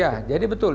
ya jadi betul